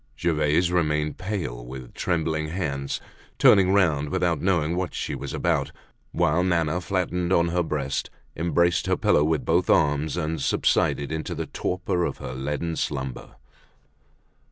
Gervaise remained pale, with trembling hands, turning round without knowing what she was about, whilst Nana, flattened on her breast, embraced her pillow with both arms and subsided into the torpor of her leaden slumber.